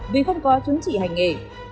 vì không có chứng chỉ hành nghề